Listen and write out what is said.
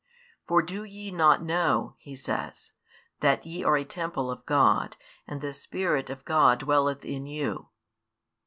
For do ye not know, he says, that ye are a temple of God, and |307 the Spirit of God dwelleth in you?